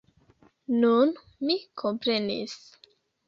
Nun, mi komprenis.